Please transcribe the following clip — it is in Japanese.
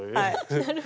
なるほど。